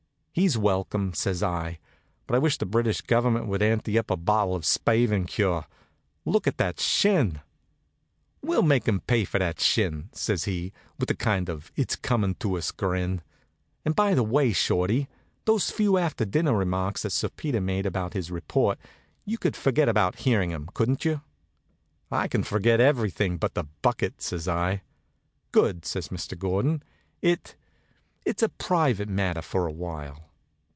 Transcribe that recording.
"He's welcome," says I; "but I wish the British Government would ante up a bottle of spavin cure. Look at that shin." "We'll make 'em pay for that shin," says he, with a kind of it's coming to us grin. "And by the way, Shorty; those few after dinner remarks that Sir Peter made about his report you could forget about hearing 'em, couldn't you?" "I can forget everything but the bucket," says I. "Good," says Mr. Gordon. "It it's a private matter for a while."